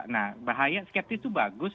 nah bahaya skeptis itu bagus